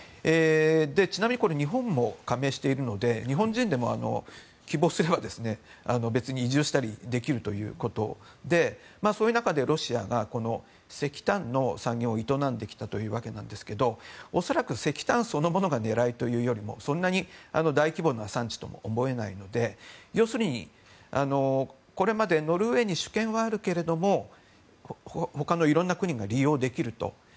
ちなみにこれ、日本も加盟しているので日本人でも希望すれば別に移住したりできるということでそういう中でロシアが石炭の産業を営んできたわけですが恐らく石炭そのものが狙いというよりもそんなに大規模な産地とも思えないので要するにこれまでノルウェーに主権はあるけれどもほかの色んな国が利用できると。